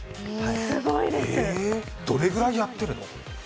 どれぐらいやっているの？